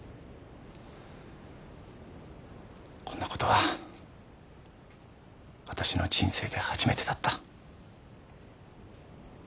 こんなことはわたしの人生で初めてだった。